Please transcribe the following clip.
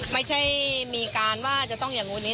ไม่ใช่มีการว่าจะต้องอย่างนู้นนี้